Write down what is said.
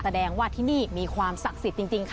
แสดงว่าที่นี่มีความศักดิ์สิทธิ์จริงค่ะ